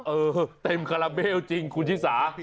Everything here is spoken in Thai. เออเต็มคาราเบลจริงคุณชิสา